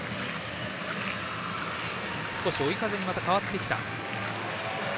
少し追い風に変わってきた。